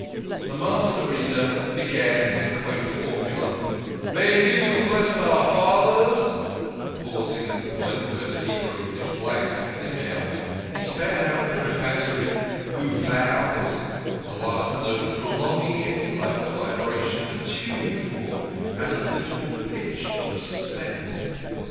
The Master Reader began his quaint formula, " May He who blessed our Fathers," pausing at the point where the Hebrew is blank for the amount. He span out the prefatory "Who vows" the last note prolonging itself, like the vibration of a tuning fork, at a literal pitch of suspense.